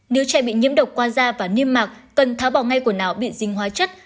nếu trẻ bị nhiễm độc qua da và niêm mạc cần tháo bỏ ngay quần áo bị dình hóa chất